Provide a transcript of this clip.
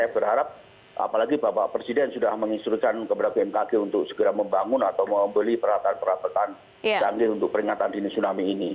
saya berharap apalagi bapak presiden sudah menginstrukan kepada bmkg untuk segera membangun atau membeli peralatan peralatan canggih untuk peringatan dini tsunami ini